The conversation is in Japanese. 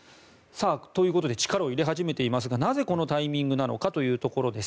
ということで力を入れ始めていますがなぜこのタイミングなのかというところです。